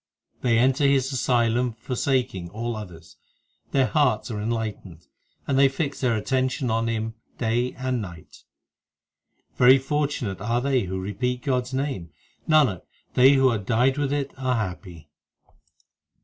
They enter His asylum forsaking all others, Their hearts are enlightened, and they fix their attention on Him day and night. Very fortunate are they who repeat God s name ; Nanak, they who are dyed with it are happy. 1 The sweetness of God s love.